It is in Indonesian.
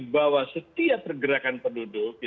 bahwa setiap pergerakan penduduk